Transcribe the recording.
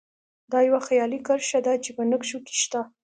دا یوه خیالي کرښه ده چې په نقشو کې شته